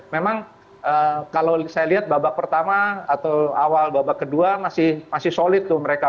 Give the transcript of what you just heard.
memang kalau saya lihat babak pertama atau awal babak kedua masih solid tuh mereka